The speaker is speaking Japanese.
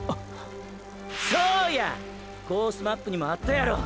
そうや！！コースマップにもあったやろ。